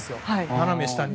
斜め下に。